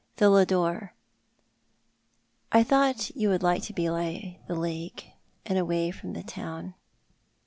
" The Lodore. I thought you would like to be by the lake, and away from the town."